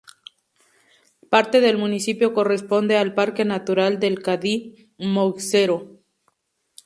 Parte del municipio corresponde al Parque Natural del Cadí-Moixeró.